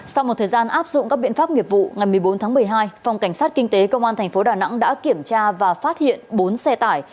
sau một thời gian áp dụng các biện pháp nghiệp vụ ngày một mươi bốn tháng một mươi hai phòng cảnh sát kinh tế công an tp đà nẵng đã kiểm tra và phát hiện bốn xe tải